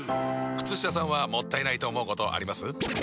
靴下さんはもったいないと思うことあります？